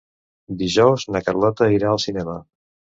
Dijous na Carlota irà al cinema.